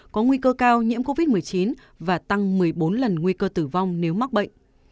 có nguy cơ cao nhiễm covid một mươi chín và tăng một mươi bốn lần nguy cơ tử vong nếu mắc bệnh